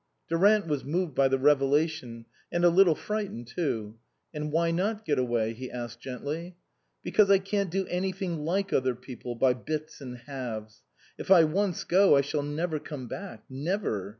Durant was moved by the revelation, and a little frightened too. " And why not get away ?" he asked gently. " Because I can't do anything like other people, by bits and halves. If I once go, I shall never come back never.